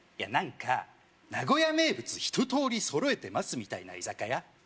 何か名古屋名物ひととおり揃えてますみたいな居酒屋